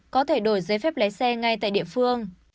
có thể đổi giấy phép lái xe ngay tại địa phương